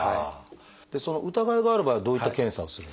その疑いがある場合はどういった検査をするんでしょう？